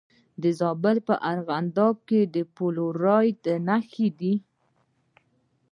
د زابل په ارغنداب کې د فلورایټ نښې شته.